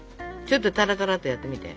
ちょっとタラタラっとやってみて。